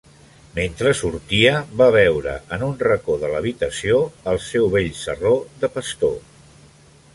Mentre sortia, va veure, en un racó de l'habitació, el seu vell sarró de pastor.